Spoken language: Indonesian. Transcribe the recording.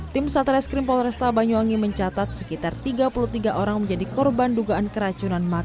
tim satreskrim polresta banyuwangi mencatat sekitar tiga puluh tiga orang menjadi korban dugaan keracunan makanan